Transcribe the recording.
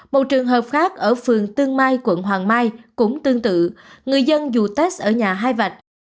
một trường hợp khác ở phường tương mai quận hoàng mai cũng tương tự người dân dù test ở nhà hai vạch